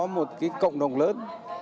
một cái cộng đồng lớn